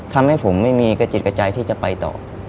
ทำให้ผมไม่มีกระจิตกระใจที่จะไปต่อ